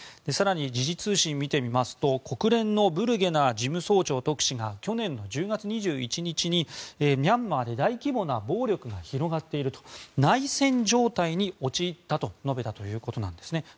更に、時事通信を見てみますと国連のブルゲナー事務総長特使が去年１０月２１日にミャンマーで大規模な暴力が広がっていると内戦状態に陥ったと述べたということなんですね。